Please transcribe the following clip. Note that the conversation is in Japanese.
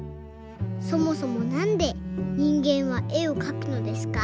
そもそもなんで人間は絵をかくのですか？